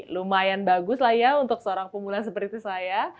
lumayan bagus lah ya untuk seorang pemula seperti saya